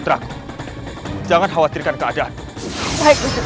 tenang amin ada ini